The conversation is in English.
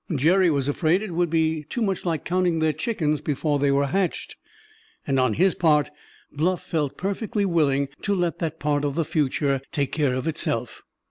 Jerry was afraid it would be too much like counting their chickens before they were hatched, and on his part Bluff felt perfectly willing to let that part of the future take care of itself.